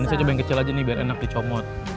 ini saya coba yang kecil aja nih biar enak dicomot